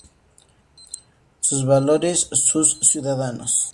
Sus valores, sus ciudadanos’".